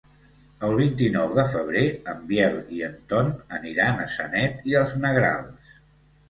El vint-i-nou de febrer en Biel i en Ton aniran a Sanet i els Negrals.